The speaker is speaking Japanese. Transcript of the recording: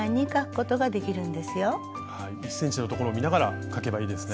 １ｃｍの所を見ながら書けばいいですね。